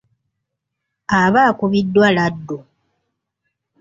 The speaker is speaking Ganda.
Aba akubiddwa laddu.